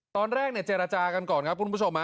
ตอนแรกเจรจากันก่อนครับคุณผู้ชม